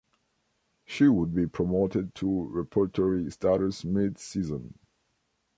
She would be promoted to repertory status mid-season.